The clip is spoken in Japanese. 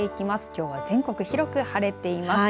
きょうは全国広く晴れています。